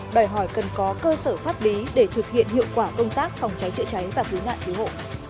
đòi hỏi cần có cơ sở pháp lý để thực hiện hiệu quả công tác phòng cháy chữa cháy và cứu nạn cứu hộ